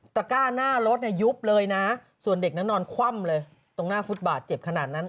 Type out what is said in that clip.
ก้าหน้ารถเนี่ยยุบเลยนะส่วนเด็กนั้นนอนคว่ำเลยตรงหน้าฟุตบาดเจ็บขนาดนั้น